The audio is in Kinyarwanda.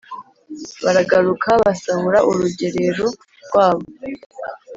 baragaruka basahura urugerero rwabo.